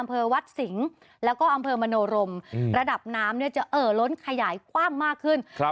อำเภอวัดสิงห์แล้วก็อำเภอมโนรมระดับน้ำเนี่ยจะเอ่อล้นขยายคว่ำมากขึ้นครับ